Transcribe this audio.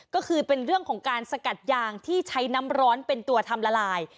ก็คือเป็นเรื่องของการสกัดยางที่ใช้น้ำร้อนเป็นตัวทำละลาย